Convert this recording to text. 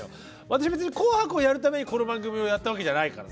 私別に「紅白」をやるためにこの番組をやったわけじゃないからね。